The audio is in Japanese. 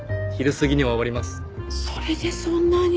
それでそんなに？